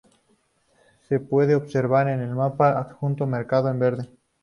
Se puede observar en el mapa adjunto marcado en verde.